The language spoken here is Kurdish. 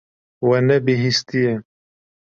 We nebihîstiye.